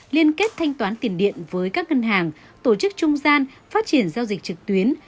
liên kết thanh toán tiền điện với các ngân hàng tổ chức trung gian phát triển giao dịch trực tuyến